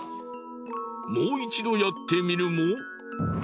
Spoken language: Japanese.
もう一度やってみるも。